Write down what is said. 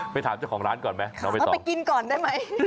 ไปถามเจ้าของร้านก่อนไหมเอาไปต่อเอาไปกินก่อนได้ไหม